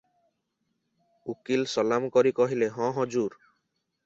ଉକୀଲ ସଲାମ କରି କହିଲେ, "ହଁ ହଜୁର ।"